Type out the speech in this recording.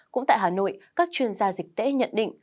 cũng tại hà nội các chuyên gia dịch tễ nhận định